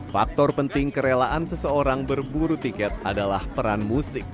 faktor penting kerelaan seseorang berburu tiket adalah peran musik